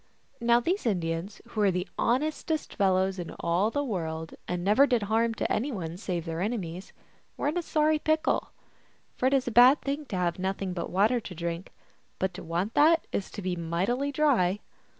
Now these Indians, who were the honestest fellows in all the world, and never did harm to any one save their enemies, were in a sorry pickle. For it is a bad thing to have nothing but water to drink, but to want that is to be mightily dry.